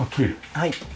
はい。